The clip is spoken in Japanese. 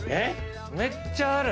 めっちゃある。